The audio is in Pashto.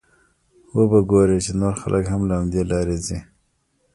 وبه ګورې چې نور خلک هم له همدې لارې ځي.